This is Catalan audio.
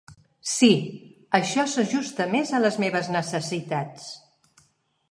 Sí, això s'ajusta més a les meves necessitats.